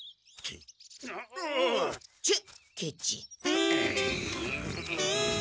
ケチ！